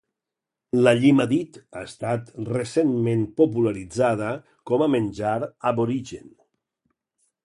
La llima dit ha estat recentment popularitzada com a menjar aborigen.